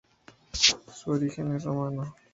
Su origen es romano.